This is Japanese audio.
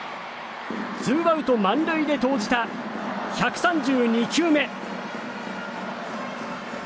ツーアウト満塁で投じた１３２球目。